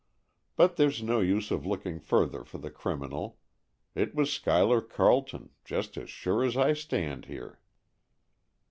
But there's no use of looking further for the criminal. It was Schuyler Carleton, just as sure as I stand here."